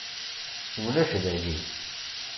Ulac dagi.